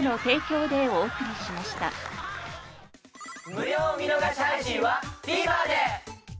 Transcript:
無料見逃し配信はＴＶｅｒで。